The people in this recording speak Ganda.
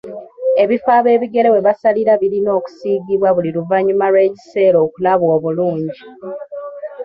Ebifo ab'ebigere webasalira birina okusiigibwa buli luvannyuma lw'ekiseera okulabwa obulungi.